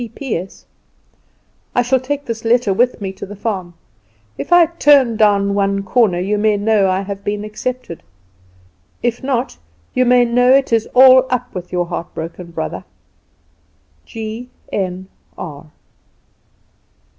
"P.P.S. I shall take this letter with me to the farm. If I turn down one corner you may know I have been accepted; if not, you may know it is all up with your heartbroken brother, "G.N.R."